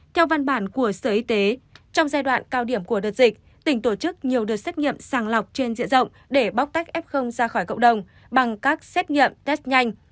theo văn bản của sở y tế trong giai đoạn cao điểm của đợt dịch tỉnh tổ chức nhiều đợt xét nghiệm sàng lọc trên diện rộng để bóc tách f ra khỏi cộng đồng bằng các xét nghiệm test nhanh